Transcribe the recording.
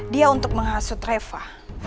dia untuk menghasut reva